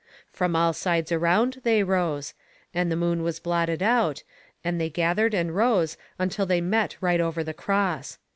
From all sides around they rose, and the moon was blotted out, and they gathered and rose until they met right over the cross.